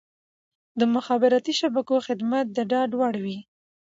د مخابراتي شبکو خدمات د ډاډ وړ وي.